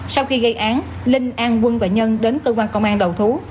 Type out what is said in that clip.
sau khi gây án linh an quân và nhân đến cơ quan công an đầu thú